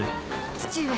父上。